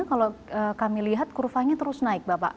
kalau kami lihat kurvanya terus naik bapak